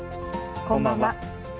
こんばんは。